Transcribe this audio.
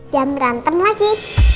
jangan berantem lagi